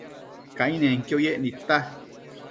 Cainenquio yec nidta